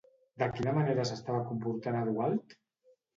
De quina manera s'estava comportant Eudald?